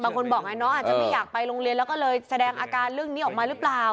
อาจจะไม่อยากไปโรงเรียนแล้วก็เลยแสดงอาการเรื่องนี้ออกมาหรือเปล่า